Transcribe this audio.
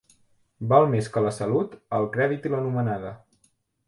Val més que la salut, el crèdit i la nomenada.